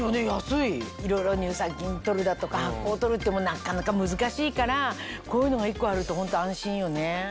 いろいろ乳酸菌取るだとか発酵を取るってなかなか難しいからこういうのが１個あるとホント安心よね。